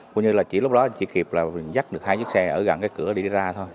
coi như là chỉ lúc đó chỉ kịp là dắt được hai chiếc xe ở gần cái cửa để đi ra thôi